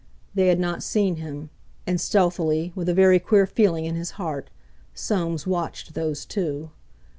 They had not seen him; and stealthily, with a very queer feeling in his heart, Soames watched those two.